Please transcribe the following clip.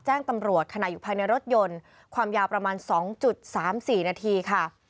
แจ้งตำรวจขณะอยู่ภายในรถยนต์ความยาวประมาณ๒๓๔นาทีค่ะ